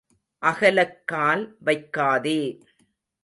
அகலக் கால் வைக்காதே.